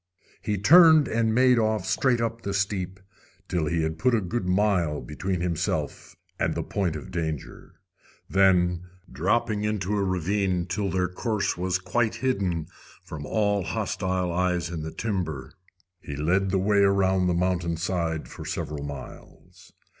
He turned and made off straight up the steep, till he had put a good mile between himself and the point of danger. Then, dropping into a ravine till their course was quite hidden from all hostile eyes in the timber, he led the way around the mountainside for several miles.